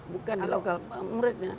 bukan di lokal muridnya